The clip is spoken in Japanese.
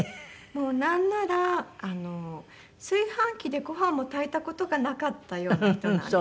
もうなんなら炊飯器でご飯も炊いた事がなかったような人なんです。